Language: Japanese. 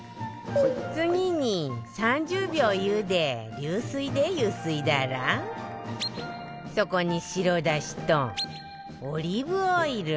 次に３０秒ゆで流水でゆすいだらそこに白だしとオリーブオイル